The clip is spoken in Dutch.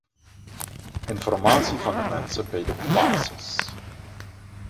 Informatie van de mensen bij de basis.